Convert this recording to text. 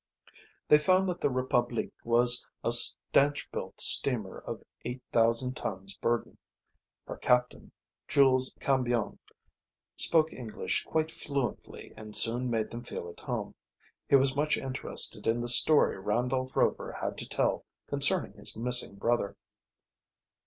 The found that the Republique was a stanch built steamer of eight thousand tons burden. Her captain, Jules Cambion, spoke English quite fluently and soon made them feel at home. He was much interested in the story Randolph Rover had to tell concerning his missing brother.